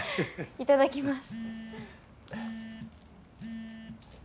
いただきます。